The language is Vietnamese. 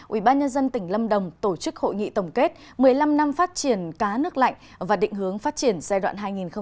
ubnd tỉnh lâm đồng tổ chức hội nghị tổng kết một mươi năm năm phát triển cá nước lạnh và định hướng phát triển giai đoạn hai nghìn một mươi sáu hai nghìn ba mươi